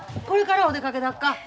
これからお出かけだっか？